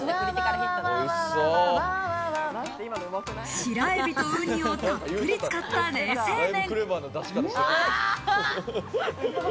白エビとウニをたっぷり使った冷製麺。